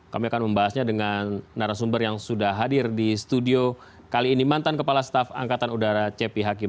kami akan membahasnya dengan narasumber yang sudah hadir di studio kali ini mantan kepala staf angkatan udara cepi hakim